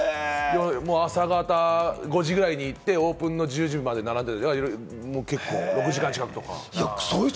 朝方５時くらいに行って、オープンの１０時まで並んだり、５時間近くとか。